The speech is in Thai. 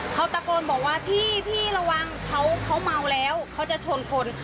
เขาตะโกนบอกว่าพี่ระวังเขาเมาแล้วเขาจะชนคน